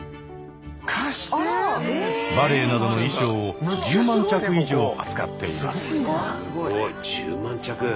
バレエなどの衣装を１０万着以上扱っています。